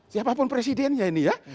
siapapun presidennya ini ya